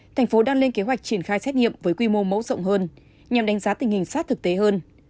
thành phố đang lên kế hoạch triển khai xét nghiệm với quy mô mẫu rộng hơn nhằm đánh giá tình hình sát thực tế hơn